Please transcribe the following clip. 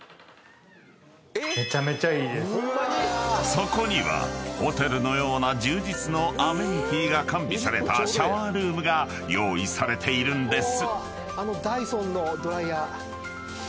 ［そこにはホテルのような充実のアメニティーが完備されたシャワールームが用意されているんです］